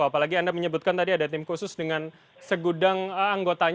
apalagi anda menyebutkan tadi ada tim khusus dengan segudang anggotanya